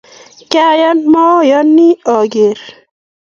Kaine meyani ageer?